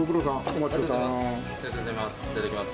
おまっとありがとうございます。